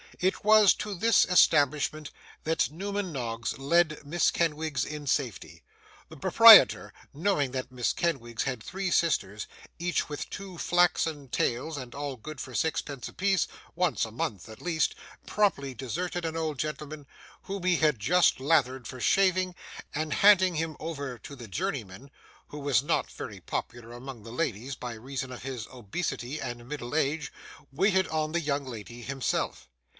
It was to this establishment that Newman Noggs led Miss Kenwigs in safety. The proprietor, knowing that Miss Kenwigs had three sisters, each with two flaxen tails, and all good for sixpence apiece, once a month at least, promptly deserted an old gentleman whom he had just lathered for shaving, and handing him over to the journeyman, (who was not very popular among the ladies, by reason of his obesity and middle age,) waited on the young lady himself.